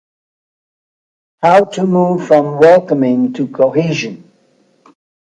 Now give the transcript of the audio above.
How to move from welcoming to cohesion?